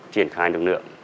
triển khai được lượng